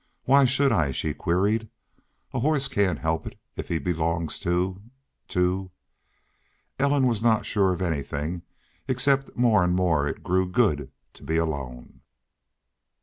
"Why should I?" she queried. "A horse cain't help it if he belongs to to " Ellen was not sure of anything except that more and more it grew good to be alone.